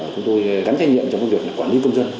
chúng tôi gắn trách nhiệm trong công việc quản lý công dân